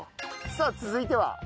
さあ続いては？